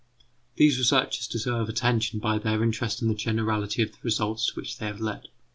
These researches deserve attention by their interest and the generality of the results to which they have led.